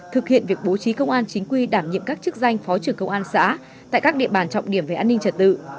thực hiện việc bố trí công an chính quy đảm nhiệm các chức danh phó trưởng công an xã tại các địa bàn trọng điểm về an ninh trật tự